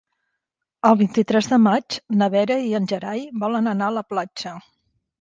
El vint-i-tres de maig na Vera i en Gerai volen anar a la platja.